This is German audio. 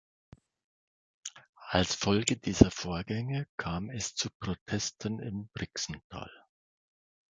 Als Folge dieser Vorgänge kam es zu Protesten im Brixental.